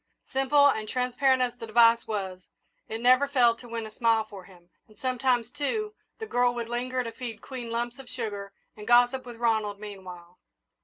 Simple and transparent as the device was, it never failed to win a smile for him, and sometimes, too, the girl would linger to feed Queen lumps of sugar and gossip with Ronald meanwhile.